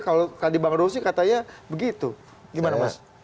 kalau tadi bang rosi katanya begitu gimana mas